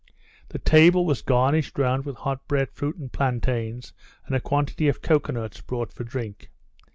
The table was garnished round with hot bread fruit and plantains, and a quantity of cocoa nuts brought for drink.